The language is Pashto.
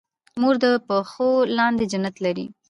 مور د پښو لاندې جنت لري